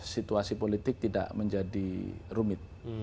situasi politik tidak menjadi rumit